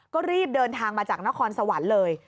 ก็รีบเดินทางมาจากนครสวรรค์เลย